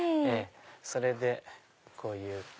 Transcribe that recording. それでこういう。